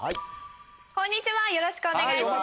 こんにちはよろしくお願いします